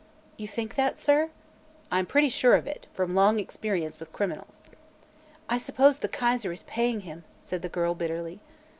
"You think that, sir?" "I'm pretty sure of it, from long experience with criminals." "I suppose the Kaiser is paying him," said the girl, bitterly.